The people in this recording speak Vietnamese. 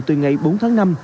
từ ngày bốn tháng năm